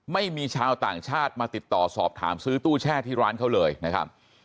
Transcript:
ไม่มีชาวต่างชาติมาติดต่อสอบถามซื้อตู้แช่ที่ร้านเขาเลยนะครับ